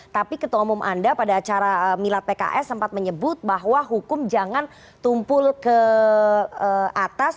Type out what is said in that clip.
tapi ketua umum anda pada acara milad pks sempat menyebut bahwa hukum jangan tumpul ke atas